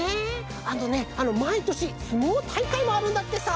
あのねまいとしすもうたいかいもあるんだってさ！